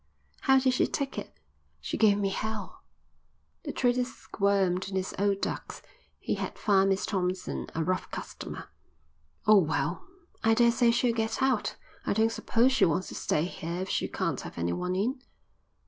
"How did she take it?" "She gave me Hell." The trader squirmed in his old ducks. He had found Miss Thompson a rough customer. "Oh, well, I daresay she'll get out. I don't suppose she wants to stay here if she can't have anyone in."